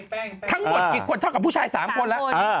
ทั้งหมดกี่คนเท่ากับผู้ชาย๓คนแล้ว